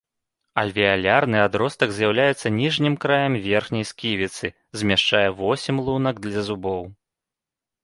Альвеалярны адростак з'яўляецца ніжнім краем верхняй сківіцы, змяшчае восем лунак для зубоў.